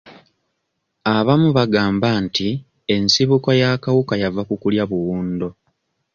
Abamu bagamba nti ensibuko y'akawuka yava ku kulya buwundo.